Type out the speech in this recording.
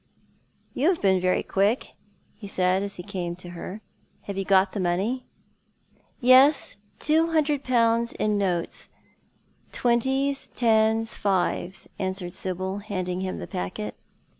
"You have been very quick," ho said as he came to her. " Have you got the money ?" "Yes, two hundred pounds in notes— twenties, tens, fives," answered Sibyl, handing him the packet.